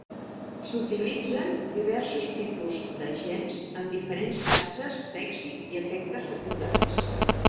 S'utilitzen diversos tipus d'agents, amb diferents tasses d'èxit i efectes secundaris.